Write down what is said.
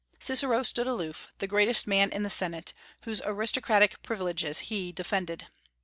Cicero stood aloof, the greatest man in the Senate, whose aristocratic privileges he defended.